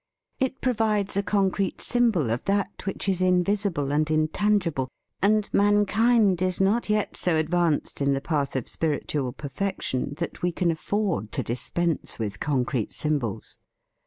It provides a concrete symbol of that which is in visible and intangible, and mankind is not yet so advanced in the path of spiritual perfection that we can afford to dispense with concrete symbols.